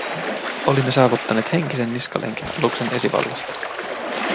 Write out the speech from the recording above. Olimme saavuttaneet henkisen niskalenkin aluksen esivallasta.